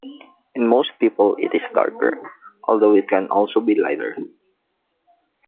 In most people it is darker, although it can also be lighter.